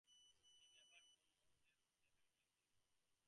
He never won more than seven games in a season.